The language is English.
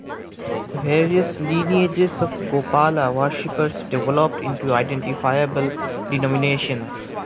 Various lineages of "Gopala" worshipers developed into identifiable denominations.